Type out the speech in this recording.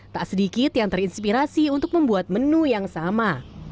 tak sedikit yang terinspirasi untuk membuat menu yang sama